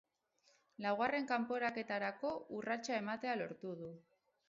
Laugarren kanporaketarako urratsa ematea lortu du.